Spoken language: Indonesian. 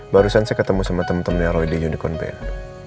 barusan saya ketemu sama teman temannya roy di unicorn band